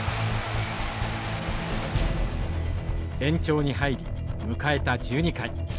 延長に入り迎えた１２回。